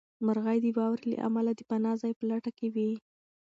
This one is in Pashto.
مرغۍ د واورې له امله د پناه ځای په لټه کې وې.